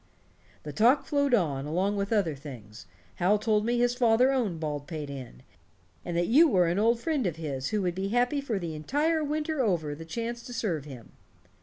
The talk flowed on, along with other things. Hal told me his father owned Baldpate Inn, and that you were an old friend of his who would be happy for the entire winter over the chance to serve him.